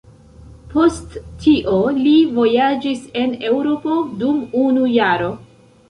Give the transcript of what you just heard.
Post tio li vojaĝis en Eŭropo dum unu jaro.